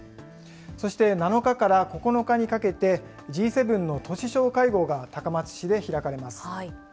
そして７日から９日にかけて、Ｇ７の都市相会合が高松市で開かれます。